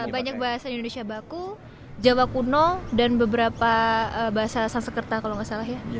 banyak bahasa indonesia baku jawa kuno dan beberapa bahasa sansekerta kalau nggak salah ya